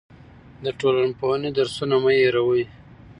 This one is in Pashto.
د ټولنپوهنې درسونه مه هېروئ.